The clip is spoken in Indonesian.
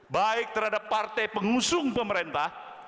baik terhadap partai pengusung pemerintah